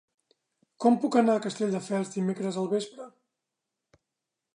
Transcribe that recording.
Com puc anar a Castelldefels dimecres al vespre?